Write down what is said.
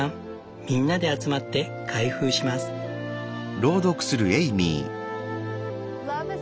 みんなで集まって開封します」。